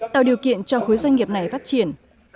tạo điều kiện cho khối doanh nghiệp này phát triển